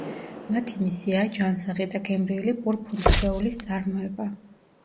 მათი მისიაა ჯანსაღი და გემრიელი პურ-ფუნთუშეულის წარმოება.